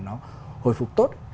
nó hồi phục tốt